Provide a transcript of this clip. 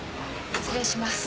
失礼します。